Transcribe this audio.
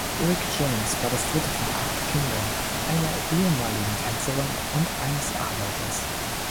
Rick James war das dritte von acht Kindern einer ehemaligen Tänzerin und eines Arbeiters.